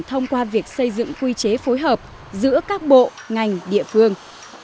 thông qua việc xây dựng quy chế phối hợp giữa các bộ ngành địa phương